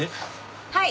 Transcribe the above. はい！